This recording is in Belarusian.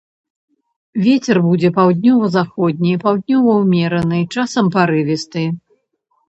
Вецер будзе паўднёва-заходні, паўднёвы ўмераны, часам парывісты.